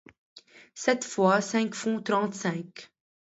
Sept fois cinq font trente-cinq.